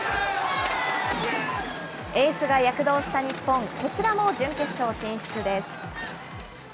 エースが躍動した日本、こちらも準決勝進出です。